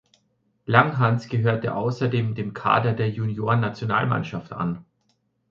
Langhans gehörte außerdem dem Kader der Junioren-Nationalmannschaft an.